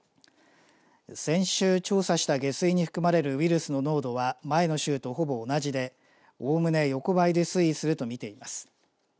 先週、調査した下水に含まれるウイルスの濃度は前の週とほぼ同じでおおむね横ばいで推移すると見ています。